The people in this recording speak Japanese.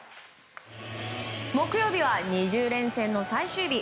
木曜日は２０連戦の最終日。